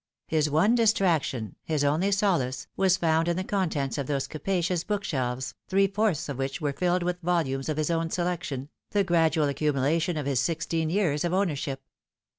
His one distraction, his only solace, was found in the contents of those capacious bookshelves, three fourths of which were filled with volumes of his own selection, the gradual accumulation of his sixteen years of ownership.